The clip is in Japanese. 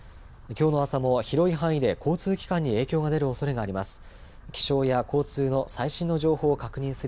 きょうの朝も広い範囲で交通機関に影響が出るおそれがあります。